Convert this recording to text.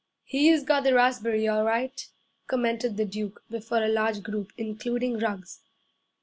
'He's got the raspberry all right,' commented the Duke, before a large group, including Ruggs.